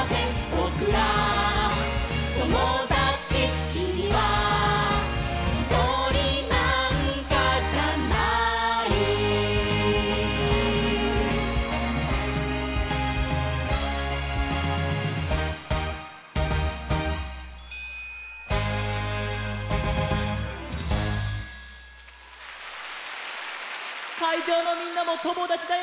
「ぼくらともだち」「きみはひとりなんかじゃない」かいじょうのみんなもともだちだよね！